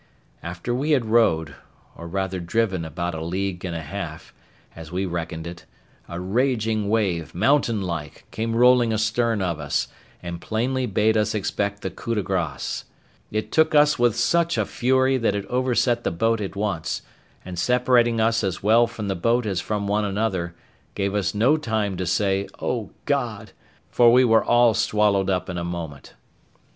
After we had rowed, or rather driven about a league and a half, as we reckoned it, a raging wave, mountain like, came rolling astern of us, and plainly bade us expect the coup de grâce. It took us with such a fury, that it overset the boat at once; and separating us as well from the boat as from one another, gave us no time to say, "O God!" for we were all swallowed up in a moment.